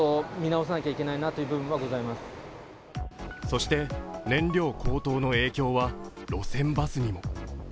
そして燃料高騰の影響は路線バスにも。